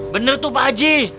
bener tuh pak ji